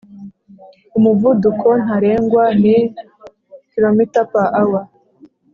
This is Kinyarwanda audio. Umuvuduko ntarengwa ni km/h